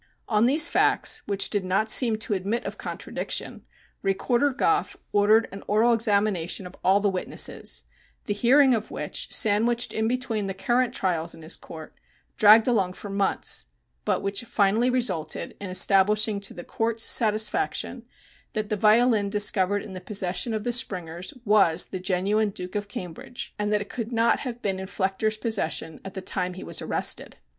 On these facts, which did not seem to admit of contradiction, Recorder Goff ordered an oral examination of all the witnesses, the hearing of which, sandwiched in between the current trials in his court, dragged along for months, but which finally resulted in establishing to the Court's satisfaction that the violin discovered in the possession of the Springers was the genuine "Duke of Cambridge," and that it could not have been in Flechter's possession at the time he was arrested.